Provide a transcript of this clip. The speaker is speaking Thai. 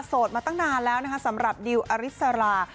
มาตั้งนานแล้วนะคะสำหรับดิวอริสรา